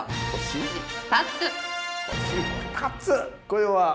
これは？